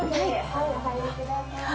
はいお入りください。